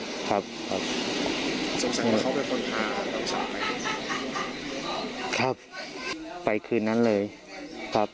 สงสัยว่าเขาเป็นคนพาตัวสาวไปครับไปคืนนั้นเลยครับ